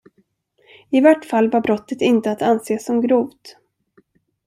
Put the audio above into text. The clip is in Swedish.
I vart fall var brottet inte att anse som grovt.